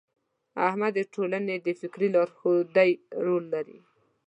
استاد د ټولنې د فکري لارښودۍ رول لري.